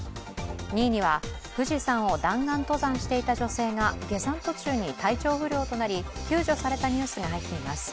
２位には富士山を弾丸登山していた女性が下山途中に体調不良となり、救助されたニュースが入っています。